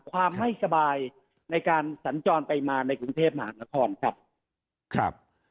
ความไม่สบายในการสัญจรไปมาในกรุงเทพมหานครครับครับ